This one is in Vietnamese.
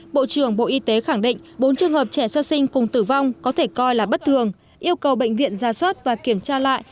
bộ trưởng bộ y tế khẳng định bốn trường hợp trẻ sơ sinh cùng tử vong có thể coi là bất thường yêu cầu bệnh viện ra soát và kiểm tra lại